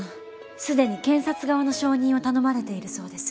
すでに検察側の証人を頼まれているそうです。